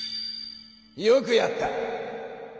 よくやった！